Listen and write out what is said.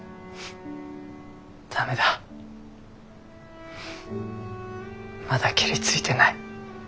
駄目だまだケリついてない。